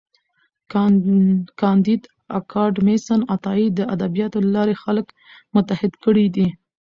کانديد اکاډميسن عطايي د ادبياتو له لارې خلک متحد کړي دي.